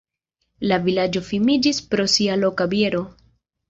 La vilaĝo famiĝis pro sia loka biero.